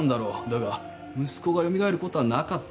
だが息子が蘇ることはなかった。